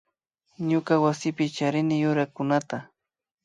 Ñuka wasipi charini yurakunata